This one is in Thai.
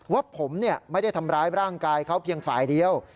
ว่าผมไม่ได้ทำร้ายร่างกายเขาเพียงฝ่ายเดียว